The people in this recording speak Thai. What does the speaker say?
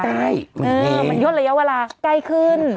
มันยกในระยะเวลาใกล้ขึ้น